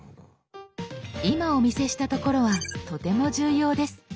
今お見せしたところはとても重要です。